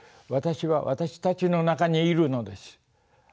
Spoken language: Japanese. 私は私たちの中にいるのです。